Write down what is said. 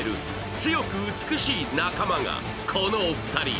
強く美しい仲間がこのお二人。